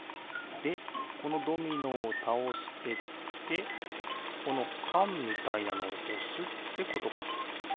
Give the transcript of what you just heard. でこのドミノをたおしてってこのかんみたいなのをおすってことか。